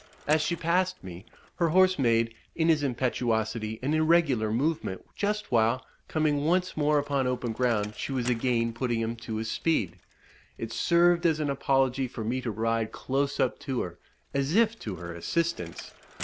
As she passed me, her horse made, in his impetuosity, an irregular movement, just while, coming once more upon open ground, she was again putting him to his speed. It served as an apology for me to ride close up to her, as if to her assistance.